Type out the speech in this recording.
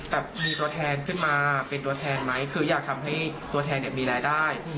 แต่มีตัวแทนขึ้นมาเป็นตัวแทนไหมคืออยากทำให้ตัวแทนมีรายได้